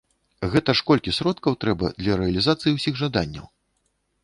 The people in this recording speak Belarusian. Гэта ж колькі сродкаў трэба для рэалізацыі ўсіх жаданняў!